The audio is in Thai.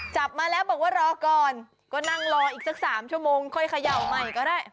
จับมาแล้วบอกว่ารอก่อนก็นั่งรออีกสัก๓ชั่วโมงค่อยเขย่าใหม่ก็ได้